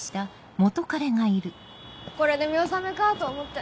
これで見納めかと思って。